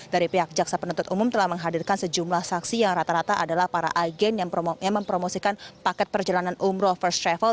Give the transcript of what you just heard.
dari pihak jaksa penuntut umum telah menghadirkan sejumlah saksi yang rata rata adalah para agen yang mempromosikan paket perjalanan umroh first travel